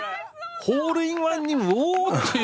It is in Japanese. ホールインワンにおおっという。